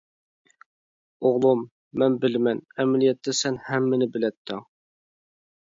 ئوغلۇم، مەن بىلىمەن، ئەمەلىيەتتە سەن ھەممىنى بىلەتتىڭ.